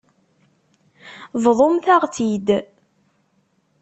Bḍumt-aɣ-tt-id.